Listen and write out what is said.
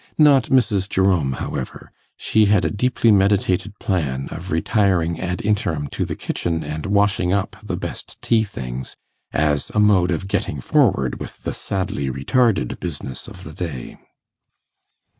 Not Mrs. Jerome, however; she had a deeply meditated plan of retiring ad interim to the kitchen and washing up the best tea things, as a mode of getting forward with the sadly retarded business of the day.